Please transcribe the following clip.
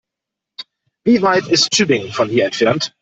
Wie weit ist Tübingen von hier entfernt?